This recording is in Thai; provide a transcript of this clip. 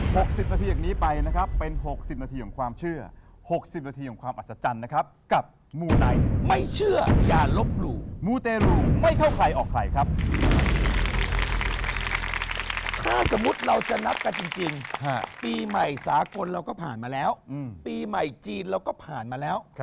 ทีนี้จริงพรุ่งปีใหม่สาโกรณ์เราก็ผ่านมาแล้วปีไม่จีนเราก็ผ่านมาแล้ว